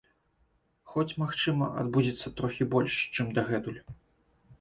Хоць, магчыма, адбудзецца трохі больш, чым дагэтуль.